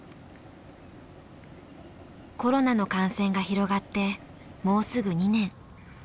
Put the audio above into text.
コロナの感染が広がってもうすぐ２年。